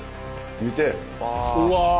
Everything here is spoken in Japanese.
見て。